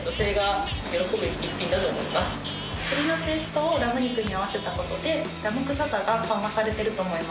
栗のペーストをラム肉に合わせたことでラム臭さが緩和されてると思います。